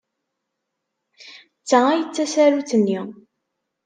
D ta ay d tasarut-nni.